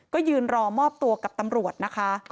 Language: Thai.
ก็ยืนรอมอบตัวกับตำรวจนะคะ